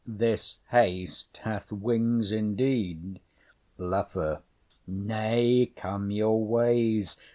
This haste hath wings indeed. LAFEW. Nay, come your ways.